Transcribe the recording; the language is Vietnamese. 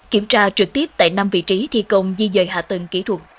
kiểm tra trực tiếp tại năm vị trí thi công di dời hạ tầng kỹ thuật